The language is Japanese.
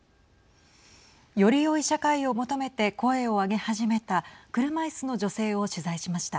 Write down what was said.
よりよい社会を求めて声を上げ始めた車いすの女性を取材しました。